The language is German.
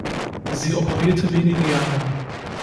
Sie operierte wenige Jahre.